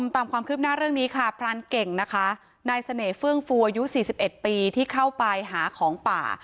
ตามความคืบหน้าเรื่องนี้ค่ะพรานเก่งนะคะนายเสน่หเฟื่องฟูอายุ๔๑ปีที่เข้าไปหาของป่า